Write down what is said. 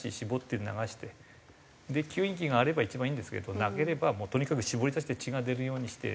吸引器があれば一番いいんですけどなければもうとにかく絞り出して血が出るようにして。